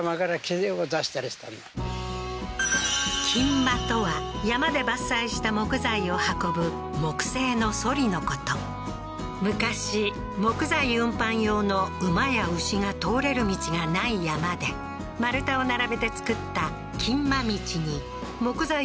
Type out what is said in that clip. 木馬とは山で伐採した木材を運ぶ木製のソリのこと昔木材運搬用の馬や牛が通れる道がない山で丸太を並べて造った木馬道に木材を積んだ木馬を載せ